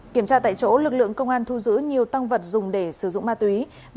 kiểm tra tại chỗ lực lượng công an thu giữ nhiều tăng vật dùng để sử dụng ma túy